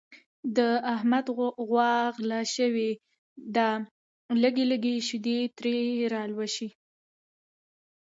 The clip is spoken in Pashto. د احمد غوا غله شوې ده لږې لږې شیدې ترې را لوشي.